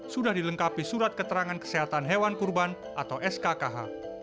sudah dilengkapi surat keterangan kesehatan hewan kurban atau skkh